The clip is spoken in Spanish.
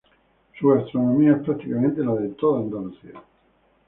Su gastronomía es prácticamente la de toda Andalucía.